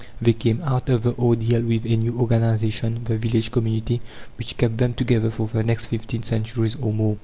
They came out of the ordeal with a new organization the village community which kept them together for the next fifteen centuries or more.